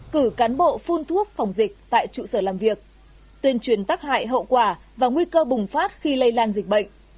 cử cán bộ phun thuốc phòng dịch tại trụ sở làm việc tuyên truyền tắc hại hậu quả và nguy cơ bùng phát khi lây lan dịch bệnh